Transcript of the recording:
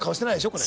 これ。